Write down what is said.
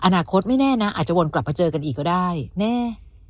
อนาคตไม่แน่นะอาจจะวนกลับมาเจอกันอีกก็ได้แน่